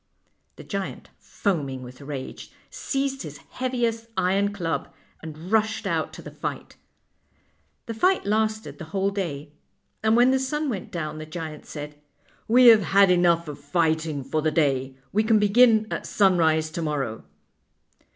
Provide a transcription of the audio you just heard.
The giant, foaming with rage, seized his heaviest iron club, and rushed out to the fight. The fight lasted the whole day, and when the sun went down the giant said :" We have had enough of fighting for the day. We can begin at sunrise to morrow."